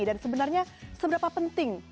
dan sebenarnya seberapa penting